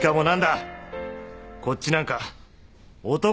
こっちなんか男だろ！